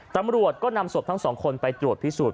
ตำรวจก็นำศพทั้งสองคนไปตรวจพิสูจน